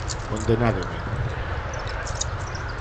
Condenádeme.